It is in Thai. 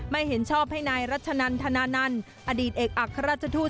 ไม่เห็นชอบให้นายรัชนันธนานันต์อดีตเอกอัครราชทูต